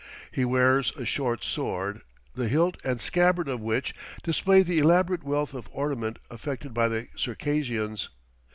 He wears a short sword, the hilt and scabbard of which display the elaborate wealth of ornament affected by the Circassians.